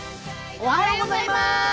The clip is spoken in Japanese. おはようございます。